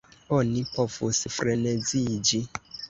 Oni povus freneziĝi.